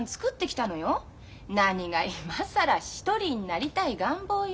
何が今更一人になりたい願望よ。